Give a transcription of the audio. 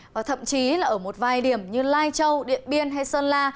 và thậm chí là ở một vài điểm như lai châu điện biên hay sơn la